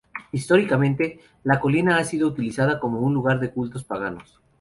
Históricamente, la colina ha sido utilizada como un lugar de cultos paganos.